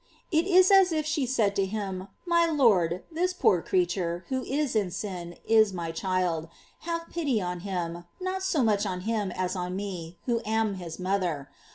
"* It is as if she said to him, My Lord, this poor creature, who is in sin, is my child; have pity on him, not so much on him as on me who am his mother.